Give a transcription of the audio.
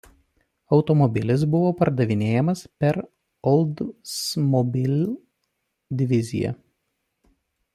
Automobilis buvo pardavinėjamas per Oldsmobile diviziją.